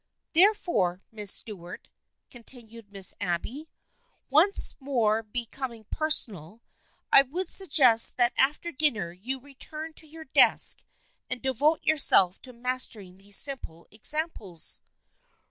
" Therefore, Miss Stuart," continued Miss Abby, once more becoming personal, " I would suggest that after dinner you return to your desk and devote yourself to mastering these simple exam ples."